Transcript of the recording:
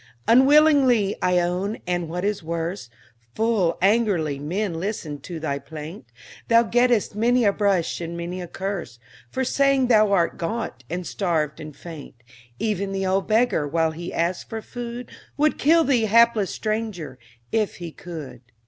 Unwillingly, I own, and, what is worse, Full angrily, men listen to thy plaint; Thou gettest many a brush and many a curse, For saying thou art gaunt, and starved, and faint. Even the old beggar, while he asks for food, Would kill thee, hapless stranger, if he could.